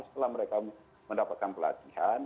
setelah mereka mendapatkan pelatihan